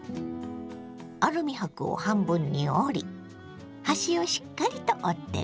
アルミ箔を半分に折り端をしっかりと折ってね。